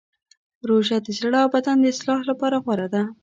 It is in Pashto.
روژه د زړه او بدن د اصلاح لپاره غوره ده.